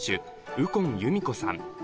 右近由美子さん